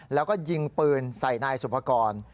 แล้วก็ยิงปืนใส่นายสุภกร